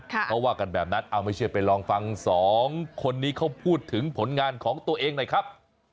เขาว่ากันแบบนั้นเอาไม่เชื่อไปลองฟังสองคนนี้เขาพูดถึงผลงานของตัวเองหน่อยครับ